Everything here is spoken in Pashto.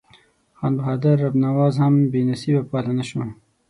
خان بهادر رب نواز هم بې نصیبه پاته نه شو.